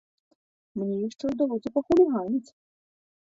Мне яшчэ ўдалося пахуліганіць!